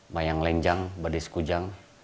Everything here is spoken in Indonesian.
mayang lenjang bades kujang